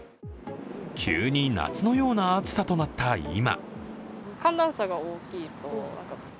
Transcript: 急に夏のような暑さとなった今。